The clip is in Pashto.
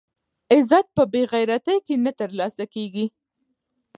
عزت په بې غیرتۍ کې نه ترلاسه کېږي.